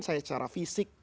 saya secara fisik